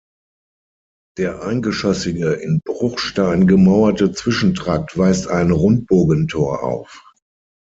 Der eingeschossige in Bruchstein gemauerte Zwischentrakt weist ein Rundbogentor auf.